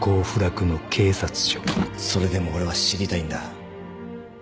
それでも俺は知りたいんだ。